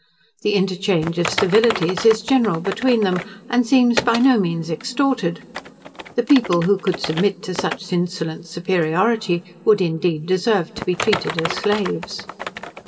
The interchange of civilities is general between them, and seems by no means extorted. The people who could submit to such insolent superiority, would, indeed, deserve to be treated as slaves.